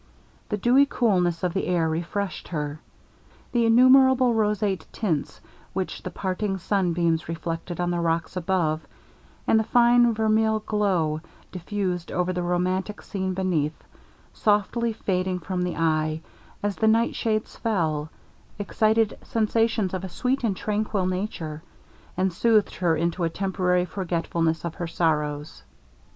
The dewy coolness of the air refreshed her. The innumerable roseate tints which the parting sun beams reflected on the rocks above, and the fine vermil glow diffused over the romantic scene beneath, softly fading from the eye, as the nightshades fell, excited sensations of a sweet and tranquil nature, and soothed her into a temporary forgetfulness of her sorrows.